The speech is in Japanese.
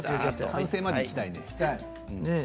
完成までいきたいですね。